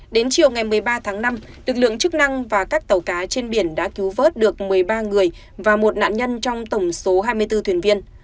đến chiều ngày một mươi ba tháng năm lực lượng chức năng và các tàu cá trên biển đã cứu vớt được một mươi ba người và một nạn nhân trong tổng số hai mươi bốn thuyền viên